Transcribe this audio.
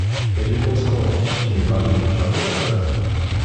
Кажи по-скоро, че ми вадиш душата от страх.